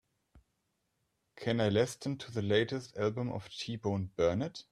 can i lesten to the latest album of T-bone Burnett